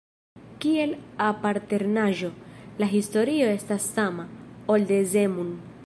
Kiel apartenaĵo, la historio estas sama, ol de Zemun.